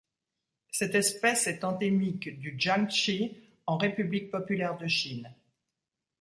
Cette espèce est endémique du Jiangxi en République populaire de Chine.